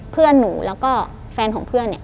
เพื่อนหนูแล้วก็แฟนของเพื่อนเนี่ย